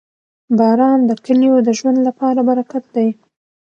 • باران د کلیو د ژوند لپاره برکت دی.